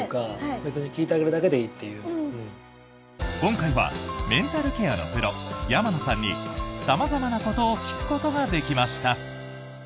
今回はメンタルケアのプロ、山名さんに様々なことを聞くことができました。